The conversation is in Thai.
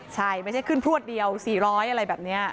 ใช่ไม่ใช่ขึ้นพลวดเดียว๔๐๐อะไรแบบนี้